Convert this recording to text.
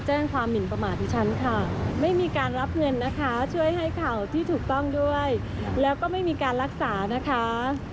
ช่วยให้เขาที่ถูกต้องด้วยแล้วก็ไม่มีการรักษานะคะ